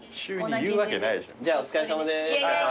じゃあお疲れさまです。